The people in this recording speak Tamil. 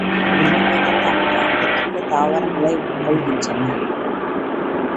விலங்குகள் தமக்கு அடுத்துள்ள தாவரங்களை உட்கொள்கின்றன.